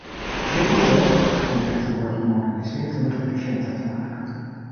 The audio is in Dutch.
Dit model moet echter worden gemoderniseerd om het efficiënter te maken.